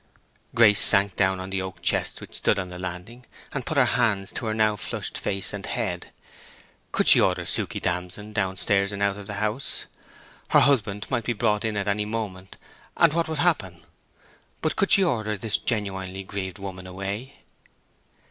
Grace sank down on the oak chest which stood on the landing, and put her hands to her now flushed face and head. Could she order Suke Damson down stairs and out of the house? Her husband might be brought in at any moment, and what would happen? But could she order this genuinely grieved woman away?